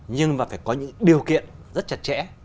nhưng mà phải có những điều kiện rất chặt chẽ